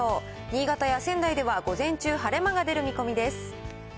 新潟や仙台では午前中晴れ間が出る見込みです。